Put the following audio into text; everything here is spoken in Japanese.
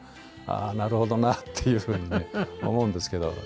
ああなるほどなっていう風にね思うんですけど。